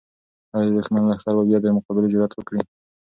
آیا د دښمن لښکر به بیا د مقابلې جرات وکړي؟